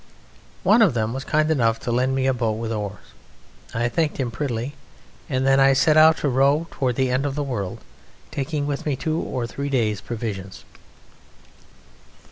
One of them was kind enough to lend me a boat with oars; I thanked him prettily, and then I set out to row toward the End of the World, taking with me two or three days' provisions.